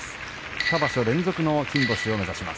２場所連続の金星を目指します。